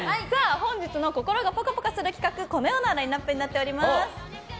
本日の心がポカポカする企画このようなラインアップになっています。